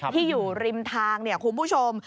ที่อยู่ริมทางเนี่ยคุณผู้ชม